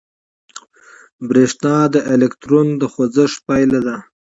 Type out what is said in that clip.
برېښنا د الکترون د خوځښت پایله ده.